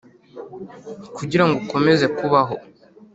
kugira ngo ukomeze kubaho,